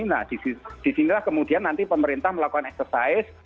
nah disinilah kemudian nanti pemerintah melakukan eksersis